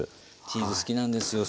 チーズ好きなんですよ